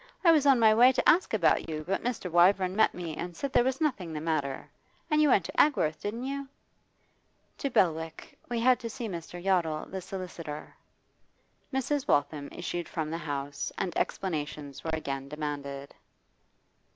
I was on my way to ask about you, but Mr. Wyvern met me and said there was nothing the matter. And you went to Agworth, didn't you?' 'To Belwick. We had to see Mr. Yottle, the solicitor.' Mrs. Waltham issued from the house, and explanations were again demanded.